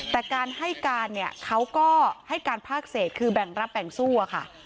แต่การให้การเนี่ยเขาก็ให้การภาคเศษคือแบ่งรับแบ่งสู้อะค่ะ